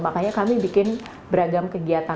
makanya kami bikin beragam kegiatan